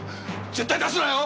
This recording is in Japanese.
絶対出すなよ。